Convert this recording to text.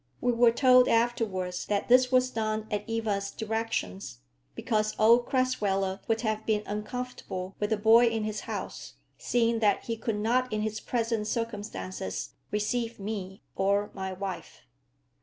We were told afterwards that this was done at Eva's directions, because old Crasweller would have been uncomfortable with the boy in his house, seeing that he could not in his present circumstances receive me or my wife.